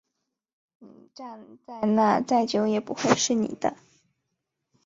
你站在那再久也不会是你的